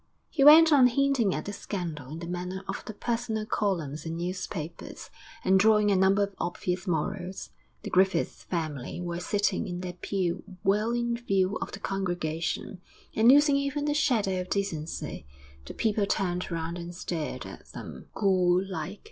He went on hinting at the scandal in the manner of the personal columns in newspapers, and drawing a number of obvious morals. The Griffith family were sitting in their pew well in view of the congregation; and losing even the shadow of decency, the people turned round and stared at them, ghoul like....